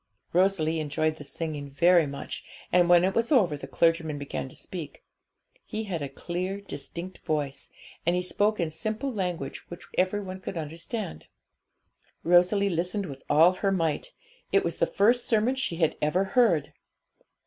Rosalie enjoyed the singing very much, and when it was over the clergyman began to speak. He had a clear, distinct voice, and he spoke in simple language which every one could understand. Rosalie listened with all her might; it was the first sermon she had ever heard.